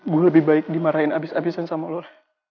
gue lebih baik dimarahin abis abisin sama lo lah